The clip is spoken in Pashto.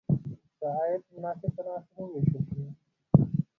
که عاید په مناسب تناسب وویشل شي.